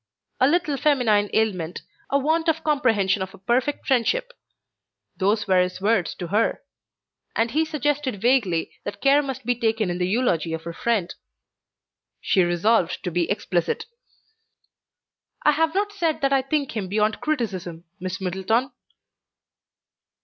"A little feminine ailment, a want of comprehension of a perfect friendship;" those were his words to her: and he suggested vaguely that care must be taken in the eulogy of her friend. She resolved to be explicit. "I have not said that I think him beyond criticism, Miss Middleton."